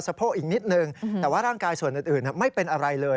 โพกอีกนิดนึงแต่ว่าร่างกายส่วนอื่นไม่เป็นอะไรเลย